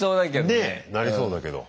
ねえなりそうだけど。